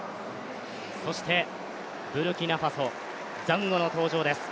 そしてブルキナファソ、ザンゴの登場です。